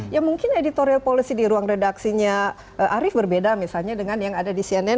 ya mungkin editorial policy di ruang redaksinya arief berbeda misalnya dengan yang ada di cnn